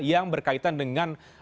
yang berkaitan dengan